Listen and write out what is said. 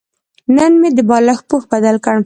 نن مې د بالښت پوښ بدل کړ.